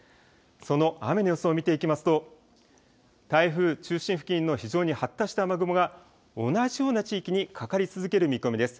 その雨の予想を見ていきますと、台風中心付近の非常に発達した雨雲が、同じような地域にかかり続ける見込みです。